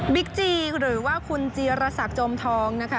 บิ๊กจีหรือว่าคุณจีระสักจมทองนะคะ